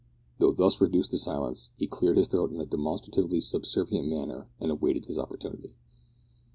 Though thus reduced to silence, he cleared his throat in a demonstratively subservient manner and awaited his opportunity.